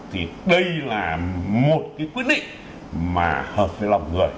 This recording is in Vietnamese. thì đây là một cái quyết định mà hợp với lòng người